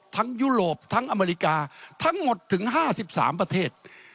ยุโรปทั้งอเมริกาทั้งหมดถึง๕๓ประเทศ